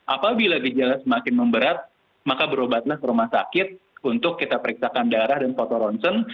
apabila gejala semakin memberat maka berobatlah ke rumah sakit untuk kita periksakan darah dan fotoronsen